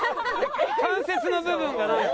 関節の部分がなんか。